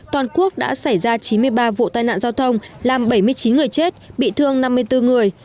toàn quốc đã xảy ra chín mươi ba vụ tai nạn giao thông làm bảy mươi chín người chết bị thương năm mươi bốn người